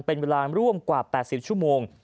เป็นเวลาร่วมกว่า๘๐ชั่วโมง